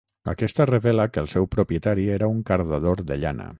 Aquesta revela que el seu propietari era un cardador de llana.